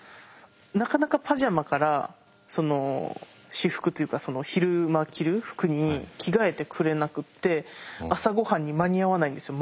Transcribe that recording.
なかなかパジャマから私服というか昼間着る服に着替えてくれなくて朝ごはんに間に合わないんですよ